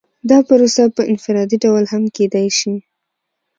دا پروسه په انفرادي ډول هم کیدای شي.